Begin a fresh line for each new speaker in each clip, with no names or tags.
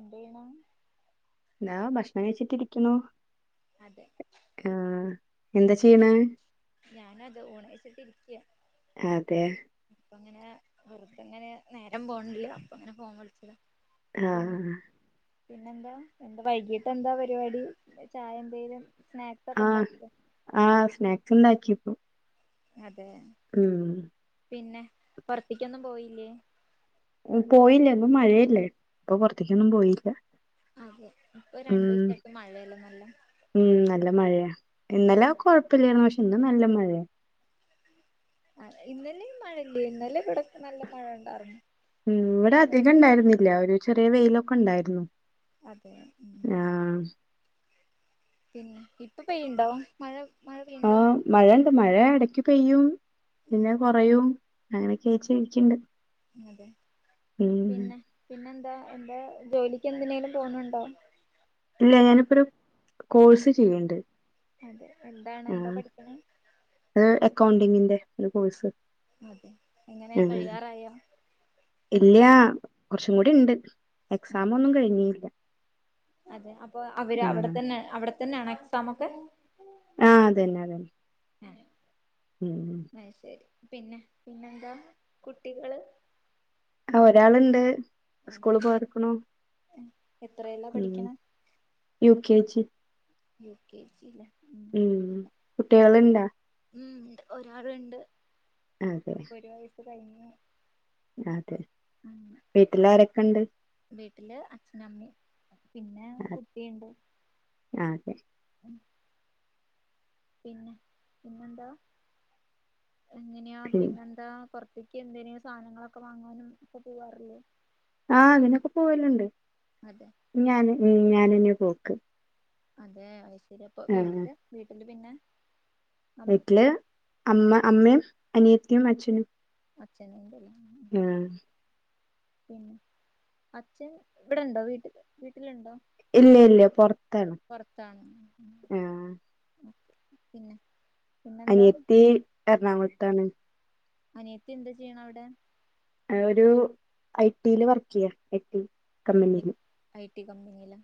എന്താ ചെയ്യണെ
ഞാൻ ഭക്ഷണം കഴിച്ചിട്ടി ഇരിക്കുന്നു
അതെ
ആ
പിന്നെ ഞാനത് ഊണ് കഴിച്ചിട്ടിരിക്ക.
അതെ
അപ്പ ങ്ങനെ വെറക്കങ്ങനെ നേരം പോണില്ല അപ്പ അങ്ങനെ ഫോൺ വിളിച്ചതാ
ആ
പി പിന്നെന്താ വൈകീട്ട് എന്താ പരിപാടി ചായ എന്തെലും സ്നാക്സ് ഒക്കെ
ആഹ്,
ഉണ്ടാക്കോ
ആഹ് സ്നാക്സ് ഉണ്ടാക്കി പ്പം
അതെ
ഉം
പിന്നെ പുറത്തേക്കൊന്നും പോയില്ലേ
പോയില്ല ഇന്നും മഴയില്ലേ ഇപ്പൊ പുറത്തേക്കൊന്നും പോയില്ല.
ആ അതെ ഇപ്പൊ
ഉം
രണ്ടു സായിട്ട് മഴയല്ലെ നല്ലെ
ഉം, നല്ല മഴയ ഇന്നലെ കൊഴപ്പില്ലായിരുന്നു, പക്ഷെ ഇന്ന് നല്ല മഴയാ.
ആഹ് ഇന്നലെ മഴ ഇണ്ട്, ഇന്നലെ ഇവിടെക്കെ നല്ല മഴ ഉണ്ടായിരുന്നു.
ഉം, ഇവിടെ അധികം ഇണ്ടായിരുന്നില്ല ഒരു ചെറിയ വെയിലൊക്കെ ഉണ്ടായിരുന്നു.
അതെ ഉം
അ
പിന്നെ ഇപ്പ പെയ്യുന്നുണ്ടോ മഴ മഴ പെയ്യ്ണ്ടൊ
മഴയിണ്ട് മഴ എടക്ക് പെയ്യും
ഉം
പിന്നെ കുറയും അങ്ങനെയൊക്കെ വെച്ചിരിക്കണ്ട്
അതെ പിന്നെ പിന്നെന്താ എന്താ ജോലിക്ക് എന്തിനെലു പോണുണ്ടാ?
ഇല്ല ഞാനിപ്പ ഒരു കോഴ്സ് ചെയ്യ്ണ്ട്.
അതെ എന്താണ്
ആ
എന്താ പഠിക്കണേ?
അത് അക്കൗണ്ടിങ്ങിന്റെ ഒരു കോഴ്സ്.
അതെ എങ്ങനെ കഴിയാറായോ.
ഇല്യ കുറച്ചും കൂടി ഉണ്ട് എക്സാം
അതെ
ഒന്നും കഴിഞ്ഞില്ല.
അതെ അപ്പൊ അവര്
ആ
അവിടെ തന്നെ അവിടെ തന്നെയാണ് എക്സാം ഒക്കെ.
ആ അത് ന്നെ അത്‌ ന്നെ
ആ
ഉം
മെയ് ശരി പിന്നെ പിന്നെന്താ കുട്ടികള്
ആ ഒരാളുണ്ട്
അതെ
സ്കൂള് പോർക്കണോ
എത്രയിലാ
ഉം
പഠിക്കണെ?
U K G.
U K G ലാ
ഉം കുട്ടികൾ ഉണ്ടാ
ഉം ഒരാളുണ്ട്
അതെ
ഒരു വയസ്സ് കഴിഞ്ഞു
അതെ
അങ്ങനെ
വീട്ടിൽ ആരൊക്കെ ഉണ്ട്
വീട്ടില് അച്ഛനമ്മി പിന്നെ കുട്ടിയുണ്ട്
ആതെ
[inaudible] പിന്നെ പിന്നെന്താ എങ്ങനെയാ
ഉം
പിന്നെ ആ പുറത്തേക്ക് എന്ത്‌നേം സാനങ്ങളൊക്കെ വാങ്ങാനും ഒക്കെ പോവാറില്ലേ?
ആ അതിനൊക്കെ പോവലുണ്ട്.
അതെ
ഞാൻ ഞ്ഞി ഞാാനന്നെ പോക്ക്.
അതെ അൈശരി അപ്പൊ
ആ
വീട്ടില് വീട്ടില് പിന്നെ അം
വീട്ടില്
ഉം
അമ്മ അമ്മയും അനിയത്തിയും അച്ഛനും.
[unintelligible]
ആഹ്
പിന്നെ അച്ഛൻ ഇവിടെണ്ടോ വീട്ടിൽ വീട്ടിലുണ്ടോ
ഇല്ല ഇല്ല പുറത്താണ് ആഹ
ഉം പിന്നെ പിന്നെന്താ
അനിയത്തി എറണാകുളത്താണ്
അനിയത്തി എന്താ ചെയ്യണ അവിടെ?
ഒരു ഐട്ടിയില് വർക്ക് ചെയ്യ ഐട്ടി കമ്പനിൽ.
ഐ ട്ടി കമ്പനീലാ?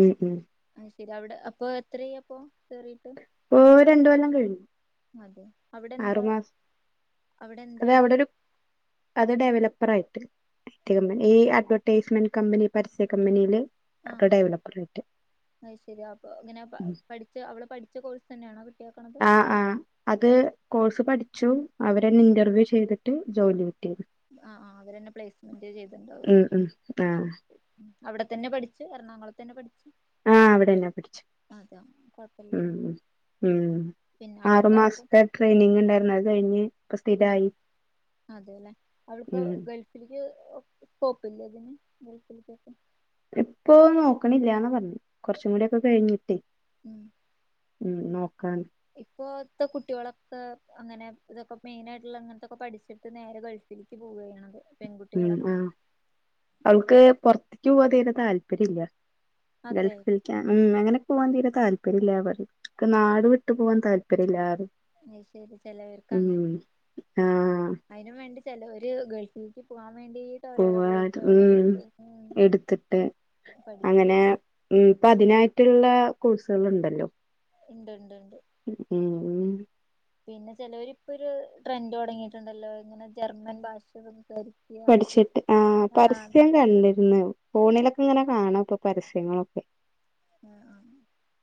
ഉം ഉം
അ ശരി അവിടെ അപ്പൊ എത്ര അപ്പൊ കേറിയിട്ട്
ഓ രണ്ടു കൊല്ലം കഴിഞ്ഞു
അതെ
ആറു
അവിടെന്താ
മാസം അത്
അവിടെന്തായിട്ട്
അവിടെ ഒരു അത് ഡെവലപ്പർ ആയിട്ട്. [unintelligible] ഈ അഡ്വെർടൈസ്മെന്റ് കമ്പനി പരസ്യ കമ്പനിയില്
ആ
ഡെവലപ്പർ ആയിട്ട്
അത് ശരിയാ അപ്പൊ ങ്ങനെ പഠി അവിടെ പഠിച്ച കോഴ്സ് തന്നെയണ കിട്ടിയേക്കണേ
ആ ആ അത് കോഴ്സ് പഠിച്ചു അവരെന്നെ ഇന്റർവ്യൂ ചെയ്തിട്ട് ജോലി കിട്ടിയത്.
ആഹ ആ് അവര്ന്നെ പ്ലേസ്മെന്റ് ചെയ്തുണ്ടാവലോ
ഉം ഉം ആ
അവിടെ തന്നെ പഠിച്ചു എറണാകുളത്ത തന്നെ പഠിച്ചു
ആഹ അവിടെന്നെ പഠിച്ചേ
അതാ
ഉ
കൊഴപ്പില്ലല്ലോ
ഉ ഉം
പിന്നെ അവൾക്ക്
ആറു
കൊഴപ്പം
മാസത്തെ ട്രെയിനിങ് ഉണ്ടായിരുന്നു അത് കഴിഞ്ഞ് ഇപ്പ
ഉ
സ്ഥിരായി
അതെല്ലെ അവൾക്ക്
ഉം
ഗൾഫ ശക്ക് കൊപ്പില്ല ഇതിന് വക്കക്കെ
ഇപ്പൊ നോക്കണില്ലന്ന പറഞ്ഞു കൊറച്ചും കൂടി ഒക്കെ കഴിഞ്ഞിട്ടേ ഉം നോക്കാൻ
ഇപ്പോൊത്തെ കുട്ടികളൊക്കെ അങ്ങനെ ഇതൊക്കെ മെയിന ആയിട്ടുള്ള അങ്ങനത്തെൊക്കെ പഠിച്ചിട്ട് നേരെ കഴിച്ചു തിരിക്ക് പോവുകയാണത്
ഉ ആഹ അവൾക്ക് പുൊറത്തേക്ക് പോവാതേെ താല്പര്യം ഇില്ല
അതെ
ഗൾഫ ഉം അങ്ങനെക്കെ പോകവാൻ തീരെ താല്പര്യം ഇല്ല പററ് നാട് വിട്ട് പോവാൻ താല്പര്യമല്ലറ്
അത് ശരി
ഉ ആഹ
അതിനു വേണ്ടി ചിലരു ഗൾഫിലേക്ക് പോകാൻ വേണ്ടി
പോവ ഉം എടുത്തിട്ട്
പഠിക്കും
അങ്ങനെ ഉം ഇപ്പ അതിനായിട്ടുള്ള കോഴ്സുകൾ ഉണ്ടല്ലോ
ഇണ്ട്ണ്ട്ണ്ട്
ഉം
പിന്നെ ചിലവർ ഇപ്പൊ ഒരു ട്രെൻഡ് തുടങ്ങിയിട്ടുണ്ടല്ലോ ഇങ്ങനെ ജർമ്മൻ ഭാഷ
പഠിച്ചിട്ട് ആ
ആഹ്
പരസ്യം കണ്ടിരുന്നു ഫോണിലൊക്കെ ഇങ്ങനെ കാണാം ഇപ്പൊ പരസ്യങ്ങളൊക്കെ
ആഹ് ആഹ്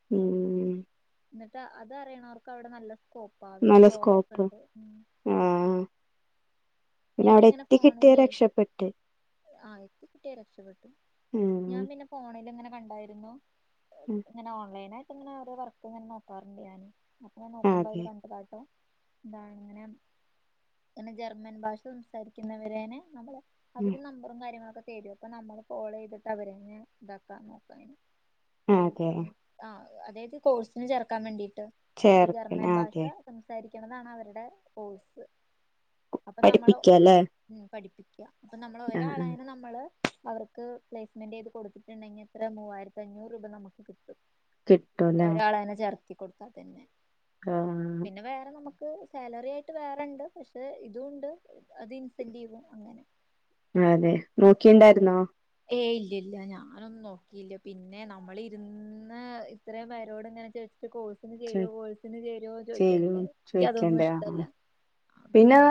ഉം
എന്നിട്ട് അത് അറിയണവർക്ക് അവിടെ നല്ല സ്കോപ്പാ അവിടെ ജോബൊക്കെ ഉണ്ട്
ഉം പിന്നെ അവിടെ
എനിക്കിങ്ങനെ
എത്തി കിട്ടിയ
ഫോണിലേ
രക്ഷപ്പെട്ട്
ആഹ് എത്തിക്കിട്ടിയ രക്ഷപ്പെട്ടു ഞാൻ
ഉം
പിന്നെ ഫോണിൽ ഇങ്ങനെ കണ്ടായിരുന്നു
ഉം
ഇങ്ങനെ ഓൺലൈന അപ്പോ ഇങ്ങനെ ഓരോ വർക്ക്ങ്ങനെ നോക്കാറണ്ട് ഞാന് അപ്പ ഞൻ നോക്കുമ്പോ അങ്ങനെ
അതെ
കണ്ടതാട്ടോ ഇതാണ്ങ്ങനെ അങ്ങനെ ജർമ്മൻ ഭാഷ സംസാരിക്കുന്നവരനെ നമ്മള്
ഉം
അവര് നമ്പറും കാര്യങ്ങളൊക്കെ തെരും അപ്പൊ നമ്മള് കോൾ ചെയ്തിട്ട് അവരന്നെ ഇതാക്കാ നോക്കാംന്
അതെ
ആഹ് അതായത് കോഴ്സിന് ചേർക്കാൻ വേണ്ടീട്ട് അപ്പൊ
ചേർക്കൻ
ജർമ്മൻ ഭാഷ
അതെ
സംസാരിക്കണതാണ് അവരുടെ കോഴ്സ് അപ്പൊ നമ്മള്
കേല്ലേ
ഉം പഠിപ്പിക്കുക അപ്പൊ നമ്മൾ ഒരാളായും നമ്മള് അവർക്ക് പ്ലേസ്മെന്റ് ചെയ്ത് കൊടുത്തിട്ടുണ്ടെങ്കിൽ അത്ര മൂവായിരത്തി അഞ്ഞൂറ് രൂപ നമുക്ക് കിട്ടും
കിട്ടൂല്ലേ
ഒരാളേനെ ചേർത്തി കൊടുത്താ തന്നെ
ആ
പിന്നെ വേറെ നമുക്ക് സാലറി ആയിട്ട് വേറണ്ട് പക്ഷെ ഇതും ഉണ്ട് അത് ഇൻസെന്റീവും അങ്ങനെ
അതെ നോക്കിണ്ടായിരുന്നോ
ഏയ് ഇല്ല ഇല്ല ഞാനൊന്നും നോക്കിയില്ല പിന്നെ നമ്മളിരുന്ന് ഇത്രയും പേരോടിങ്ങനെ ചോദിച്ചിട്ട് കോഴ്സ് ചേരുവോ കോഴ്സിന് ചേരുവോ
ചേലും
ചോദിക്കണ്ട് എനിക്ക് അതൊന്നും
ചോയിക്കണ്ടേ ആ ആ
ഇഷ്ടമല്ല അപ്പൊ
പിന്നെ
ഞാ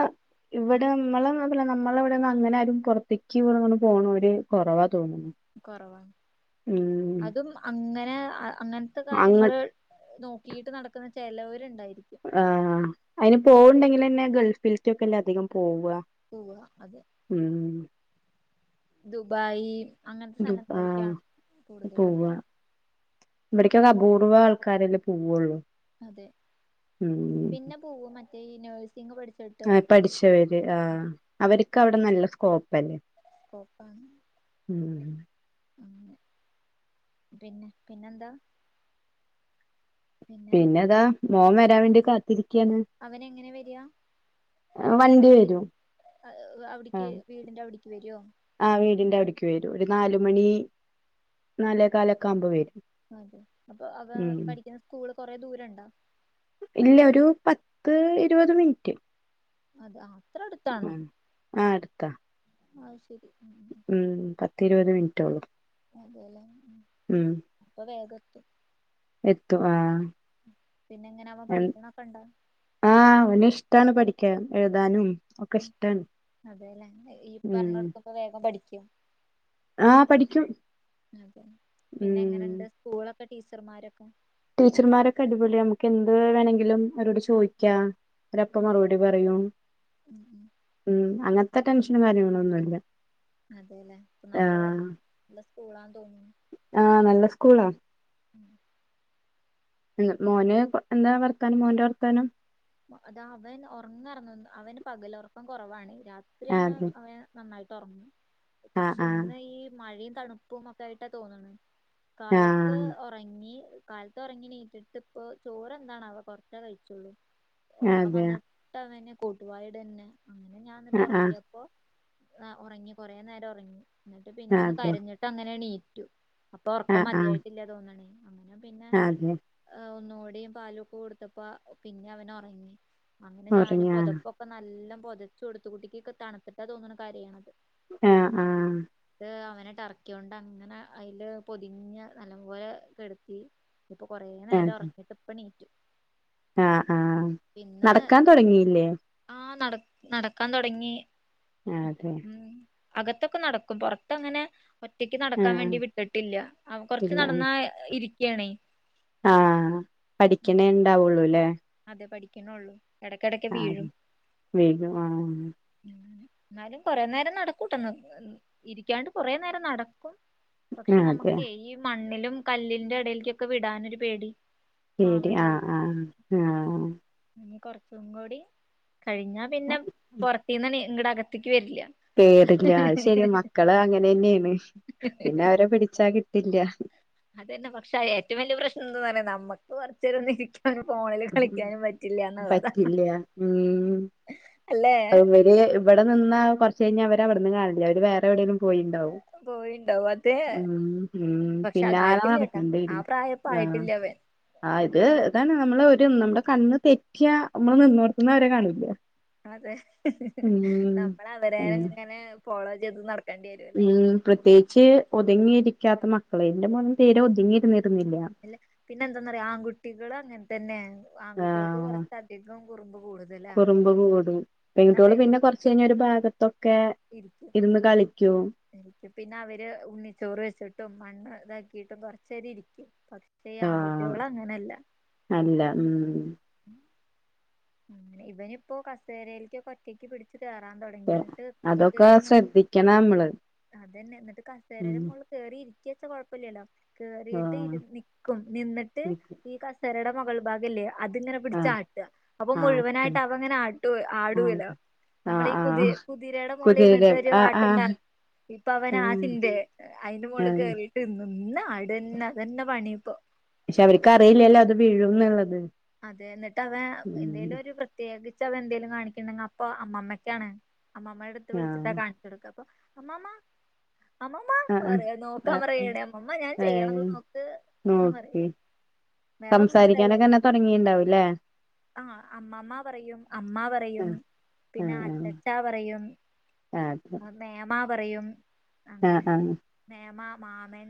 ഇവിടെ നമ്മളല്ല നമ്മളെ ഇവിടെന്ന് അങ്ങനെ ആരും പുറത്തേക്ക് ഇവിടെങ്ങ പോണര് കുറവാ തോന്നുന്നു
കുറവാണ്
ഉം
അതും അങ്ങനെ അങ്ങനത്തെ
അങ്ങ
കാര്യങ്ങൾ നോക്കിയിട്ട് നടക്കുന്ന ചിലവരുണ്ടായിരിക്കും
ആഹ് അതിന് പോവണ്ടെങ്കിൽന്നെ ഗൾഫിലേക്ക്ക്കെല്ല അധികം പോവുക
പൂവ അതെ
ഉം
ദുബായി് അങ്ങനത്തെ
ദു ആ
സ്ഥലങ്ങൾക്കാണ് കൂടുതൽ
ഇവിടേക്കൊക്കെ അപൂർവം ആൾക്കാരെല്ലേ പോവുള്ളൂ
അതെ
ഉം
പിന്നെ പോവ മറ്റേ ഈ നേഴ്സിംഗ് പഠിച്ച്
ആഹ് പഠിച്ചവര് ആ അവർക്ക് അവിടെ നല്ല സ്കോപ്പ്ല്ലേ
സ്കോപ്പാണ്
ഉം
ഉ പിന്നെ പിന്നെന്താ
പിന്നെ താ മോൻ വരാൻ വേണ്ടി കാത്തിരി
അവൻ എങ്ങനെ വരിക വണ്ടി അവിടക്ക് വീടിന്റെ അവിടക്ക് വരുവോ
ആഹ് വീടിന്റെ അവിടക്ക് വരും ഒരു നാലുമണി നാലേ കാലൊക്കെ ആവുമ്പോ വരും
അതെ അപ്പൊ അവ
ഉം
പഠിക്കുന്ന സ്കൂള് കൊറെ ദൂരുണ്ടാ
ഇല്ല ഒരു പത്ത് ഇരുപത് മിനിറ്റ്
അതെ അത്ര അടുത്താണോ
ഉം ആ
ആഹ ശരി
ഉ പത്ത് ഇരുപത് മിനിറ്റ ഉളളൂ
അതെല്ലാ അപ്പൊ വേഗഎത്തും
എത്തും ആഹ്
പിന്നെ എങ്ങനെ അവൻ പഠിക്കണൊക്കെ ഇണ്ടാ
ആഹ് അവൻ ഇഷ്ടമാണ് പഠിക്കൻ എഴുതാനും. ഒക്കെ ഇഷ്ടാണ്
അതെല്ലേ ഈ പറഞ്ഞ
ഉം
കൊടുക്കുമ്പ വേഗം പഠിക്കും.
ആഹ് പഠിക്കും
അതെ
ഉ
പിന്നെ എങ്ങനെണ്ട് സ്കൂളൊക്കെ ടീച്ചർമാരൊക്കെ
ടീച്ചർമാരൊക്കെ അടിപൊളി നമുക്ക് എന്ത് വേണമെങ്കിലും അവരോട് ചോദിക്കാം. അവപ്പ മറുപടി പറയൂ
ഉം ഉം
ഉം അങ്ങനത്തെ ടെൻഷനും കാര്യങ്ങളൊന്നുംല്ല
അതെ ല്ലേ ഇപ്പ നല്ല നല്ല സ്കൂളാന്ന് തോന്നുന്നു
ആഹ നല്ല സ്കൂളാ
[unintelligible]
മോന് എന്താ വർത്താനം മോന്റെ വർത്താനം
അത അവന് പകല ഉറക്കം കുറവാണ്. രാത്രിയാണ്
അതെ
അവൻ നന്നായിട്ട് ഉറങ്ങു
ആഹ്
പക്ഷെ
ആഹ്
ഇന്ന് ഈ മഴയും തണുപ്പും ഒക്കെ ആയിട്ടാ തോന്നണ കാലത്ത്
ആഹ്
ഉറങ്ങി കാലത്ത് ഉറങ്ങി നീറ്റ്ട്ട് ഇപ്പോ ചോറ് എന്താണവൊ കൊറച്ച കഴിച്ചുള്ളൂ ഉറക്കം
അതെ
വന്നിട്ട് അവനെ കൂട്ടുപായിട്ന്നെ അങ്ങനെ ഞാൻന്നിട്ട്
ആഹ്
ഉറക്കിയപ്പോൊ ആ ഉറങ്ങി കുറെേ നേരം ഉറങ്ങി ന്നട്ട് പിന്നെ
ആഹ്
ഒന്ന്
അതെ
കരഞ്ഞിട്ട അങ്ങനെണീറ്റു അപ്പൊ ഉർക്കം
ആഹ് ആഹ്
മതിയായിട്ടില്ല തോന്നണേ അങ്ങനെ പിന്നെ
അതെ
ഒന്നുകൂടിം പാലൊക്കെ കൊടുത്തപ്പ പിന്നെ അവന് ഉറങ്ങി അങ്ങനെ ഞാൻ
ഉറങ്ങിയാ
പൊതപ്പൊ ഇപ്പൊ നല്ല പൊതച്ചു കൊടുത്തുകുട്ടിക് തണുത്തിട്ടാ തോന്നുന്ന ഒരു കാര്യണത്
ആഹ ആഹ
ട്ട് അവനെ ട്ടർക്കിയൊണ്ട് അങ്ങനെ അയില് പൊതിഞ്ഞ് നല്ല പോലെ കിടത്തി കുറേനേരം ഉറങ്ങിയിട്ട് ഇപ്പൊ എഴുന്നേറ്റു
ആഹ ആഹ
ഇന്ന് ആഹ് നടക്ക് നടക്കാൻ തൊടങ്ങി
അതെ
ഉം അകത്തൊക്കെ നടക്കും പുറത്തങ്ങനെ ഒറ്റക്ക് നടക്കാൻ
ആഹ്
വേണ്ടി വിട്ടിട്ടില്ല അവ കൊറച്ച്
ഇല്ല
നടന്നാ ഇരിക്യാണേ
ആഹ പഠിക്കണേ ഉണ്ടാവുള്ളൂ അല്ലേ.
അതെ പഠിക്കണള്ളൂ.
ആഹ് വീ [unintelligible]
എന്നാലും കൊറെേ നേരം നടക്കൂട്ടന്ന് ഇരിക്കാണ്ട് കൊറെേ നേരം നടക്കും പക്ഷെ
അതെ
നമുക്ക് ഈ മണ്ണിലും കല്ലിൻറെ ഇടേക്കൊക്കെ വിടാനൊരു പേടി
പേടി ആഹ് ആഹ് ആഹ്
ഇ കുറച്ചും കൂടി കഴിഞ്ഞാ പിന്നെ പുറത്തന്ന് അകത്തേക്ക് വരില്ല.
പേടില്ല അഹ് ശെരി മക്കള് അങ്ങനെ ന്നെണ് പിന്നെ അവരെ പിടിച്ചാ കിട്ടില്ല
അതന്നെ പക്ഷെ ഏറ്റവും വലിയ പ്രശ്നം എന്താ പറയാ നമ്മക്ക് കുറച്ചു ന്നിരിക്കാനും ഫോണില് കളിക്കാനും പറ്റില്ലന്നുള്ളതാ.
പറ്റില്ല അവര് ഇവിടെ നിന്നാ കുറച്ച് കഴിഞ്ഞാ അവര് അവിടെന്ന് കാണില്ല അവര് വേറെ എവിടെയങ്കലും പോയിട്ടുണ്ടാവും.
പോയിണ്ടാവും അത് പക്ഷെ
പിന്നാലെ
ആയിട്ടില്ലട്ടാ ആ
നടേക്കേണ്ടിവരും
പ്രായപ്പ ആയിട്ടില്ല അവൻ
ആഹ ഇത്
ആവണം
ഇതാണ് നമ്മള് ഒരു നമ്മുടെ കണ്ണ് തെറ്റിയ നമ്മള് നിന്ന നിർത്തുന്നവരെ കാണൂില്ല
അതെ നമ്മള് അവരെ നെ
അങ്ങനെ
ഇങ്ങനെ ഫോളോ ചെയ്ത് നട
ഉം പ്രത്യേകിച്ച് ഒതുങ്ങിയിരിക്കാത്ത മക്കളെ എന്റെ മോനും തീരെ ഒതുങ്ങിയിരുന്നില്ല.
ല്ലാ പിന്നെ എന്തെന്നറിയോ ആൺകുട്ടികൾ അങ്ങനെ തന്നെയാ ആൺകുട്ടികൾക്ക്
ആഹ്
കുറച്ച് അധികം കുറുമ്പ് കൂടു
കുറുമ്പ് കൂടും പെൺകുട്ടികൽ പിന്നെ കൊറച്ച കഴിഞ്ഞ ഒരു ഭാഗത്തൊക്കെ
ഇക്ക്
ഇരുന്ന് കളിക്കൂ
ശരിക്കും പിന്നെ അവര് ഉണ്ണിച്ചോറ് വെച്ചിട്ടും മണ്ണ് ഇതാക്കിട്ടും കൊറച്ചരി ഇരിക്കും.
ആഹ്
ആൺകുട്ടികൾ അങ്ങനെയല്ല.
അല്ല ഉം
ഇവനിപ്പോ കസേരയില്ക്കൊക്കെ കെട്ടിപിടിച്ചു കേറാൻ തൊടങ്ങി ഇന്നിട്ട്
അതൊക്കെ
കേറ്ന്ന്
ശ്രദ്ധിക്കണം നമ്മള്
അതന്നെ എന്നിട്ട് ക
ഉം
പേരെടെ മോള്ല് കേറി ഇരിക്കാച്ച കൊഴപ്പല്ലല്ലോ. കേറിട്ട് ഇരി നിക്കും നിന്നിട്ട്
ആഹ്
ഈ കസേരടെ മുകൾ ഭാഗല്ലേ അതിങ്ങനെ
ആഹ്
പിടിച്ചാട്ട അപ്പം
ആട്ടും
മുഴുവനായിട്ട് അവങ്ങനെ ആട്ടു
ആഹ്
ആടൂലോ.
ആഹ്
നമ്മളീ കുതി
ആഹ്
കുതിരേടെ
കുതിര
മോളിലിരുന്നിട്ട് ഒരു
ആഹ് ആഹ്
ആട്ടുണ്ടാവും
ആഹ്
ഇപ്പവനാചിന്തയാ അയിന്റെ മോളിൽ
ആഹ്
കേറി നിന്നാടന്നെ അതന്നെ പണിയിപ്പോ.
പക്ഷെ അവർക്കറിയില്ലല്ലോ അത് വീഴുന്നുള്ളത്.
അതെ എന്നിട്ടവൻ എന്തെലൊരു പ്ര ത്യേകിച്ച് അവെൻ എന്തേലും കാണിക്ക് ഇണ്ടെങ്കി അപ്പം അമ്മമ്മക്കാണ് അമ്മമ്മേടെ അട്ത്ത് വിൾച്ചിട്ടാ
ആഹ്
കാണിച്ച് കൊട്ക്കാ അപ്പം അമ്മാമ്മാ അമ്മമ്മ
ആഹ്
പറിയും നോക്കാൻ
ആഹ്
പറയാണെ അമ്മമ്മ ഞാൻ ചെയ്യണെത്
ഏഹ്
നോക്ക്‌ എന്നും
നോക്കി
പറയും. വേറെ ഒന്നും പറയെലാ
തൊടങ്ങീണ്ടാവും ലെ?
ആഹ് അമ്മമ്മ പറയും അമ്മ പറയും പിന്നെ അച്ചച്ച പറയും
ആഹ് അത്
മേമ പറയും
ആഹ്
അങ്ങനെ
ആഹ്
മേമ, മാമൻ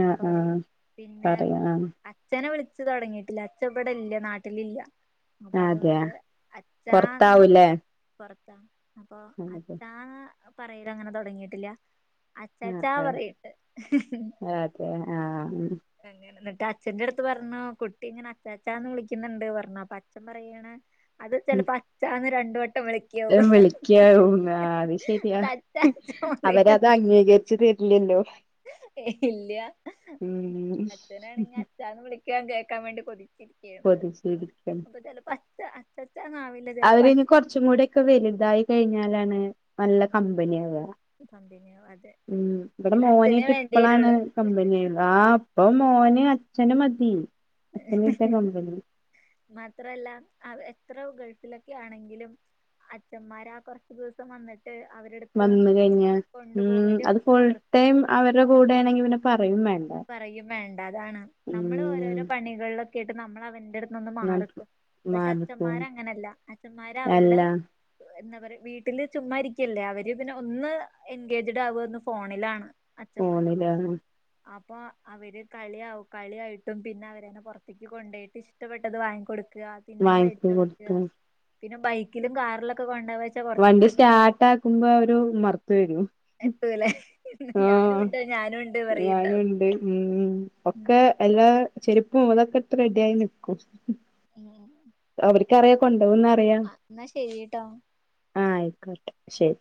ആ ആ
പറയും പിന്നെ
പറയാ
അച് ച്ഛനെ വിളിച്ച് തൊടങ്ങിട്ടില്ല അച്ചവടെ ഇല്ല നാട്ടിലി
ആ അതെയ
അപ്പതുകൊണ്ട് അച്ഛാ
പുറത്താവൂലേ
പൊറത്താ അപ്പൊ
അതെ
അച്ഛാ ന്ന് പറയലങ്ങനെ തൊടങ്ങിട്ടില്ല.
ആ
അച്ചാച്ചാ പറയ്ണ്ട്
ആ അതെ ആ
അങ്ങനെ. ന്നിട്ട് അച്ഛന്റെടുത്ത് പറഞ്ഞു കുട്ടിങ്ങനെ അച്ചച്ചാന്ന് വിളിക്ക്‌ന്ന്ണ്ട് പറഞ്ഞു അപ്പച്ഛൻ പറയാണ്. അത് ചെലപ്പോ അച്ചാന്ന് രണ്ട് വട്ടം വിളി
വിളിക്കാവുന്ന് ആ അത് ശരിയാ
അത് അച്ചാച്ചാ പറയും
അവരത് അംഗീകരി ച്ച് തരില്ലല്ലോ.
ഇല്ല
ഉം
അച്ഛനാണെങ്കി അച്ഛാന്ന് വിളിക്കാൻ കേക്കാൻ വേണ്ടി കൊതി ച്ചിരിക്കാണ്
കൊതിച്ചിരിക്കും
അപ്പ ചെലപ്പോ അച്ഛാ അച്ചച്ചാന്നാവില്ല ചെലപ്പോ
അവിരിനി കൊറച്ചും കൂടിക്കെ വെലുതായി കഴിഞ്ഞാലാണ് നല്ല കമ്പനിയാവ.
സംതിങ്ങാവും അതെ
ഉം ഇവടെ
പിന്നെ അച്ഛനെ
മോനെയിറ്റ്
വേണ്ടി
ഇപ്പളാണ്
വരുള്ളൂ
കമ്പനിയായുള്ളു ആ ഇപ്പം മോന് അച്ഛനു മതി അച്ഛനിട്ട
[unintelligible]
കമ്പനി
മാത്രല്ല അ എത്ര ഗൾഫിലൊക്കെ ആണെങ്കിലും അച്ഛന്മാരാ കൊറച്ച് ദിവസം വന്നിട്ട് ട്ട് അവരടുത്ത്
വന്ന് കഴിഞ്ഞ
കൊണ്ടുപോവലും അവർക്ക്
അവരടെ കൂടാണെങ്കി പിന്നെ പറയും വേണ്ട.
പറയും വേണ്ട അതാണ് നമ്മള്
ഉം
ഓരോരോ പണികൾലൊക്കെയായിട്ട് നമ്മളവന്റെട് നൊന്ന് മാറിക്കും പക്ഷെ
മാർക്കും
അച്ഛന്മാരങ്ങനല്ല അച്ഛന്മാര് അവരടെ
എല്ലാം
എന്താ പറയ വീട്ടില് ചുമ്മ ഇരിക്കല്ലേ അവര് പിന്നെ ഒന്ന് എൻഗേജഡ് ആവന്ന് ഫോണിലാണ്.
ഫോണിലാണ്.
അപ്പ അവര് കളിയാവും കളിയായിട്ടും പിന്നവരന്നെ പൊറത്തേക്ക് കൊണ്ടേയിട്ട് ഇഷ്ടപ്പെട്ടത് വാങ്ങി കൊടുക്കാ തിന്നാൻ
വാങ്ങിച്ചു
വേടിച്ചൊടുക്ക
കൊടുക്കും
പിന്നെ ബൈക്കിലും കാറിലൊക്കെ കൊണ്ടവൻ
വണ്ടി സ്റ്റാർട്ടാക്കുമ്പ അവരുമ്മറത്തു വരു.
എത്തൂലേ ഞാനുണ്ട് ഞാനുണ്ട് പറയ്ണ്ടാവും
ഞാനുണ്ട് ഉം ഒക്കെ എല്ലാ ചെരുപ്പു ഇതൊക്കെടുത്ത് റെഡിയായി നിക്കും
[unintelligible]
അവർക്കറിയ കൊണ്ടോവുന്നറിയാം
ആ എന്നാ ശരിട്ടോ
ആ ആയിക്കോട്ടെ ശെരി.